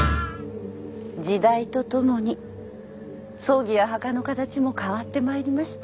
時代とともに葬儀や墓の形も変わってまいりました。